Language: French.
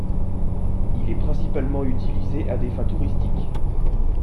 Il est principalement utilisé à des fins touristiques.